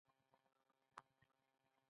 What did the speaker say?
ولې نخود او دال ناتوفیانو اهلي کړل.